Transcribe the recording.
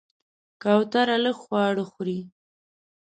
کوتره لږ خواړه خوري.